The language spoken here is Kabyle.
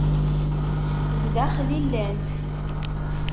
Zdaxel i llant.